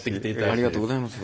ありがとうございます。